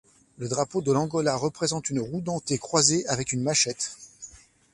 Le drapeau de l'Angola représente une roue dentée croisée avec une machette.